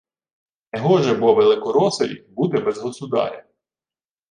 Негоже бо «великоросові» бути без «государя»